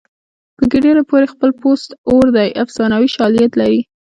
په ګیدړې پورې خپل پوست اور دی افسانوي شالید لري